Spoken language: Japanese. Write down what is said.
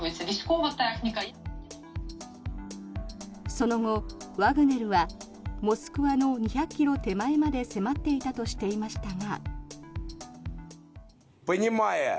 その後、ワグネルはモスクワの２００ｋｍ手前まで迫っていたとしていましたが。